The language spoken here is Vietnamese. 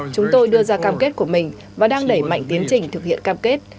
chúng tôi đưa ra cam kết của mình và đang đẩy mạnh tiến trình thực hiện cam kết